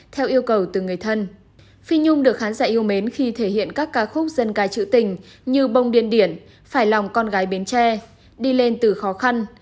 theo yêu cầu từ người thân phi nhung được khán giả yêu mến khi thể hiện các ca khúc dân ca trữ tình như bông điên điển phải lòng con gái bến tre đi lên từ khó khăn